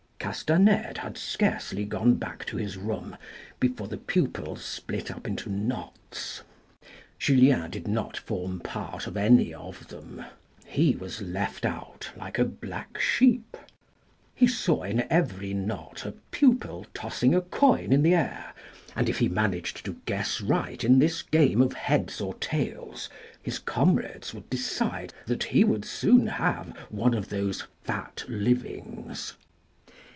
Castanede had scarcely gone back to his room before the pupils split up into knots. Julien did not form part of any of them ; he was left out like a black sheep. He saw in every knot a pupil tossing a coin in the air, and if he managed to guess right in this game of heads or tails, his comrades would decide that he would soon have one of those fat livings.